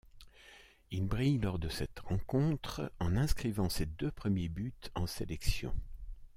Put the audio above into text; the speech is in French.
Il brille lors de cette rencontre en inscrivant ses deux premiers buts en sélection.